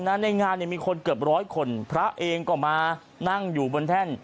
ในงานเนี่ยมีคนเกือบร้อยคนพระเองก็มานั่งอยู่บนแท่น